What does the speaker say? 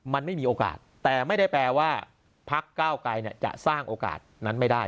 มันไม่มีโอกาสแต่ไม่ได้แปลว่าพักเก้าไกรจะสร้างโอกาสนั้นไม่ได้